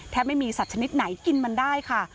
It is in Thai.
ไม่มีสัตว์ชนิดไหนกินมันได้ค่ะ